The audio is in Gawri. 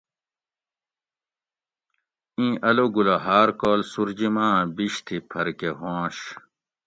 اِیں الو گلہ ہاۤر کال سوُر جیم آۤں بیش تھی پھرکہۤ ہواںش